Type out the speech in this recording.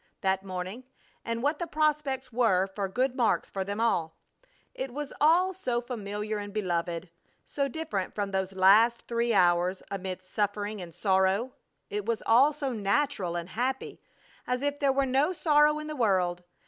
that morning, and what the prospects were for good marks for them all. It was all so familiar and beloved! So different from those last three hours amid suffering and sorrow! It was all so natural and happy, as if there were no sorrow in the world.